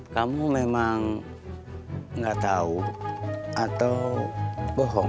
kamu memang nggak tahu atau bohong